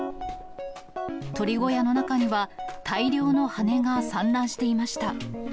鳥小屋の中には、大量の羽根が散乱していました。